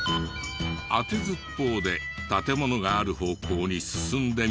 当てずっぽうで建物がある方向に進んでみるが。